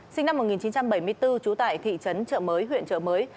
sinh năm một nghìn chín trăm bảy mươi bốn trú tại thị trấn chợ mới huyện chợ mới